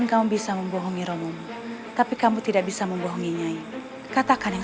aku belum pernah melakukan hubungan terlarang